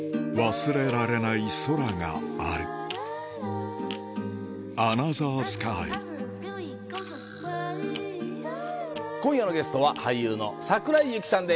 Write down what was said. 忘れられない空がある今夜のゲストは俳優の桜井ユキさんです。